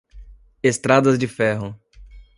estradas de ferro